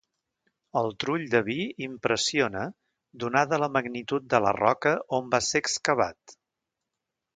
El Trull de vi impressiona donada la magnitud de la roca on va ser excavat.